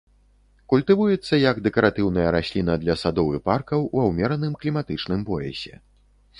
Культывуецца як дэкаратыўная расліна для садоў і паркаў ва ўмераным кліматычным поясе.